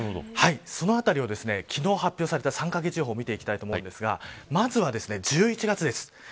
そのあたりを昨日発表された３カ月予報を見ていきたいと思うんですがまずは１１月です。